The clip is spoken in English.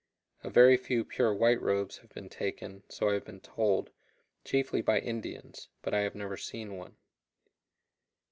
A very few pure white robes have been taken, so I have been told, chiefly by Indians, but I have never seen one.